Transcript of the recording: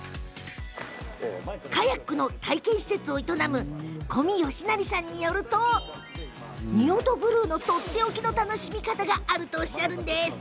カヤックの体験施設を営む古味雄也さんによると仁淀ブルーのとっておきの楽しみ方があるとおっしゃるんです。